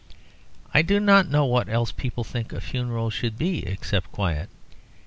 I do not know what else people think a funeral should be except quiet.